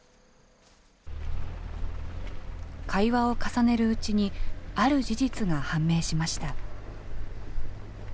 会話を重ねるうちに、ある事実が判明しました。